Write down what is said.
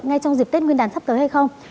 ngay trong dịp tết nguyên đán sắp tới hay không